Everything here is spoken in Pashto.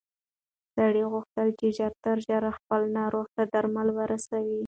سړي غوښتل چې ژر تر ژره خپل ناروغ ته درمل ورسوي.